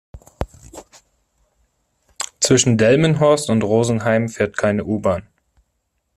Zwischen Delmenhorst und Rosenheim fährt keine U-Bahn